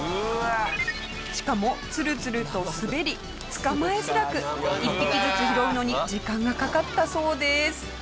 しかもツルツルと滑り捕まえづらく１匹ずつ拾うのに時間がかかったそうです。